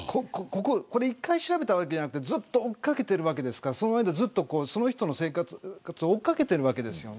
これ１回調べたわけじゃなくてずっと追っかけてるわけですからその間、その人の生活を追っかけているわけです。